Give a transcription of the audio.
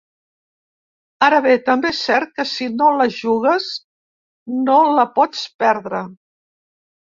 Ara bé, també és cert que, si no la jugues, no la pots perdre.